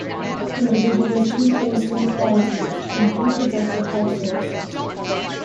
Individuals do face inequalities in reproductive health services.